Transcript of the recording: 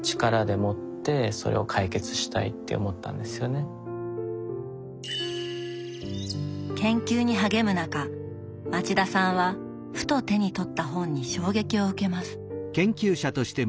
私は研究に励む中町田さんはふと手に取った本に衝撃を受けます。